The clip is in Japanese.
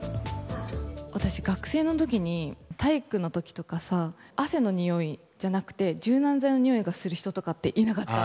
私、学生の時に体育の時とかさ汗のにおいじゃなくて柔軟剤のにおいがする人っていなかった？